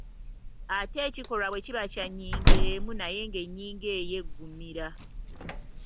Ate ekikolwa bwe kiba kya nnyingo emu naye ng’ennyingo eyo eggumira.